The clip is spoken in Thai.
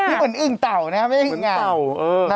นี่เหมือนอึงเต่านะครับนี่เหมือนอึงเต่า